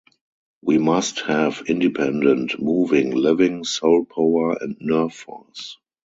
We must have independent, moving, living soul power and nerve force.